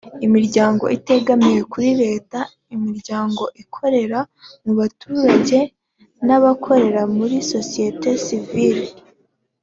imiryango itegamiye kuri leta imiryango ikorera mu baturage n abakora muri sosiyete sivili